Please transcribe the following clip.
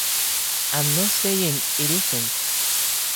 I’m not saying it isn’t.